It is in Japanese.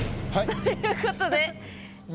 ということで。